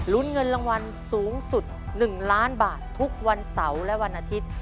เงินรางวัลสูงสุด๑ล้านบาททุกวันเสาร์และวันอาทิตย์